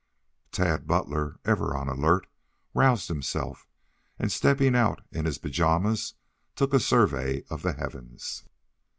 Tad Butler, ever on the alert, roused himself, and stepping out in his pajamas took a survey of the heavens.